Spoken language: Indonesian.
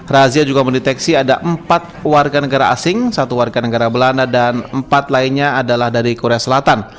razia juga mendeteksi ada empat warga negara asing satu warga negara belanda dan empat lainnya adalah dari korea selatan